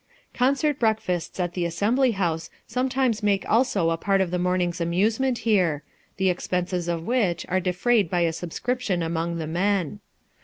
Concert breakfasts at the assembly house sometimes make also a part of the morning's amusement here, the expenses of which are defrayed by a subscription among the men.